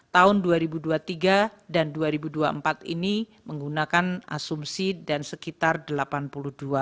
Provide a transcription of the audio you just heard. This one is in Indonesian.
tahun dua ribu dua puluh tiga dan dua ribu dua puluh empat ini menggunakan asumsi dan sekitar delapan puluh dua orang